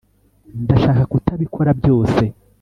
ndashaka kutabikora byose